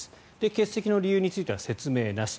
欠席の理由については説明なし。